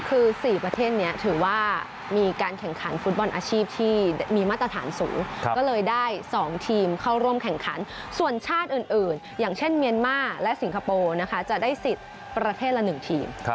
คือ๔ประเทศนี้ถือว่ามีการแข่งขันฟุตบอลอาชีพที่มีมาตรฐานสูงก็เลยได้๒ทีมเข้าร่วมแข่งขันส่วนชาติอื่นอย่างเช่นเมียนมาร์และสิงคโปร์นะคะจะได้สิทธิ์ประเภทละ๑ทีม